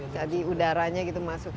jadi udaranya gitu masuk